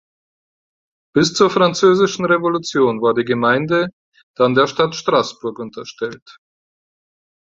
Bis zur Französischen Revolution war die Gemeinde dann der Stadt Straßburg unterstellt.